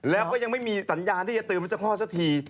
แล้วก็ยังไม่มีสัญญาณที่จะติดวันนี้จะคลอดซะที